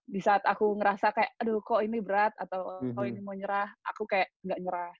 di saat aku ngerasa kayak aduh kok ini berat atau kalau ini mau nyerah aku kayak gak nyerah